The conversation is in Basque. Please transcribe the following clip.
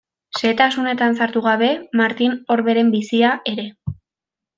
Xehetasunetan sartu gabe Martin Orberen bizia ere.